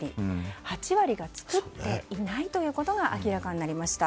８割が作っていないということが明らかになりました。